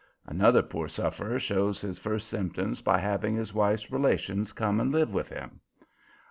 Another poor sufferer shows his first symptom by having his wife's relations come and live with him.